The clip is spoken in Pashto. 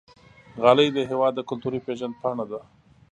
غالۍ د هېواد کلتوري پیژند پاڼه ده.